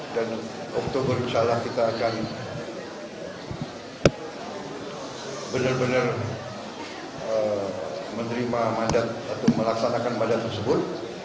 dan oktober misalnya kita akan benar benar menerima mandat atau melaksanakan mandat tersebut